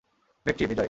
Vettri - Bijoy.